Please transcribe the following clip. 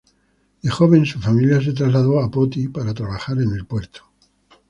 De joven su familia se trasladó a Poti para trabajar en el puerto.